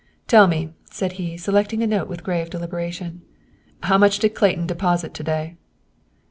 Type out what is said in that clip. "Tell me," said he, selecting a note with grave deliberation, "how much did Clayton deposit to day?"